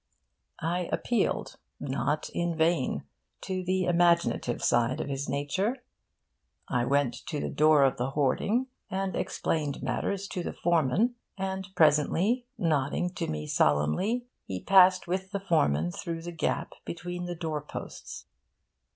I appealed, not in vain, to the imaginative side of his nature. I went to the door of the hoarding, and explained matters to the foreman; and presently, nodding to me solemnly, he passed with the foreman through the gap between the doorposts.